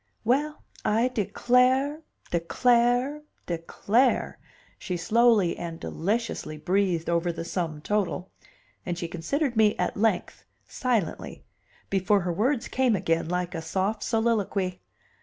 "Well, I declare, declare, declare!" she slowly and deliciously breathed over the sum total; and she considered me at length, silently, before her words came again, like a soft soliloquy.